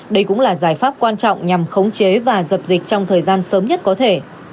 đây cũng là giải pháp quan trọng nhằm khống chế và dập dịch trong thời gian sớm nhất có thể